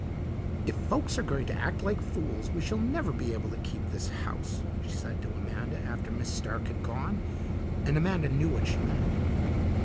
"If folks are going to act like fools we shall never be able to keep this house," she said to Amanda after Miss Stark had gone; and Amanda knew what she meant.